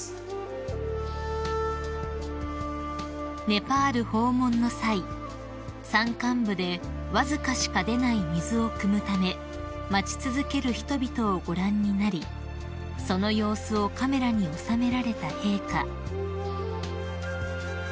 ［ネパール訪問の際山間部でわずかしか出ない水をくむため待ち続ける人々をご覧になりその様子をカメラに収められた陛下］